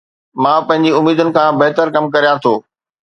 مان پنهنجي اميدن کان بهتر ڪم ڪريان ٿو